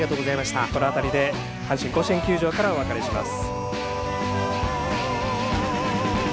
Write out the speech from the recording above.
この辺りで阪神甲子園球場からお別れします。